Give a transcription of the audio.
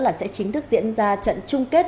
là sẽ chính thức diễn ra trận trung kết